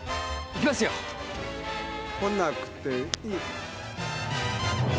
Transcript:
来なくていい！